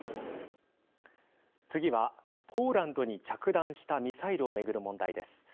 次は、ポーランドに着弾したミサイルを巡る問題です。